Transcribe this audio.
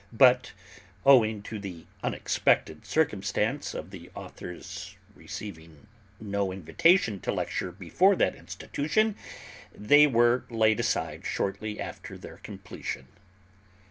but, owing to the unexpected circumstance of the author's receiving no invitation to lecture before that institution, they were laid aside shortly after their completion.